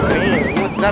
enggak punya ilmu jin jahil